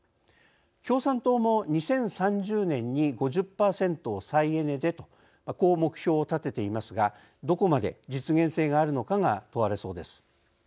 共産党も「２０３０年に５０％を再エネで」とこう目標を立てていますがどこまで実現性があるのかが問われそうです。